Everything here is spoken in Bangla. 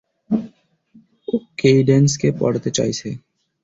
ও কেইডেন্সকে পটাতে চাইছে।